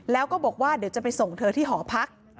แล้วก็บอกว่าเดี๋ยวจะไปส่งเธอที่หอพัก